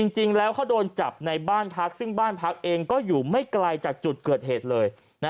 จริงแล้วเขาโดนจับในบ้านพักซึ่งบ้านพักเองก็อยู่ไม่ไกลจากจุดเกิดเหตุเลย